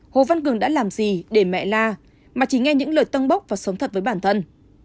hồ văn cường đã làm gì để mẹ la mà chỉ nghe những lời tâm bốc và sống thật với bản thân